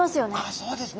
そうですね。